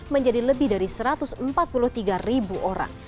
menjadi lebih dari satu ratus empat puluh tiga ribu orang